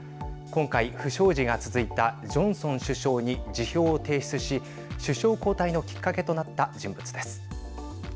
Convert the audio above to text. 今回、不祥事が続いたジョンソン首相に辞表を提出し首相交代のきっかけとなった人物です。